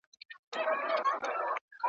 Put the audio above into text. د تیارې له تور ګرېوانه سپین سهار ته غزل لیکم `